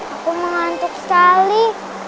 aku mengantuk sekali